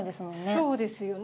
そうですよね。